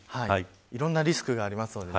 いろんなリスクがありますのでね